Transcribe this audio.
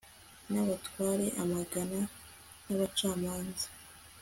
n'abatwara amagana, n'abacamanza